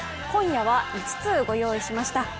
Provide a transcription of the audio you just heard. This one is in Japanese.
今夜は５つご用意しました。